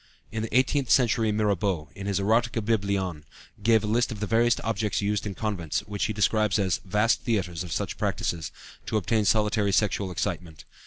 In the eighteenth century Mirabeau, in his Erotikca Biblion gave a list of the various objects used in convents (which he describes as "vast theatres" of such practices) to obtain solitary sexual excitement.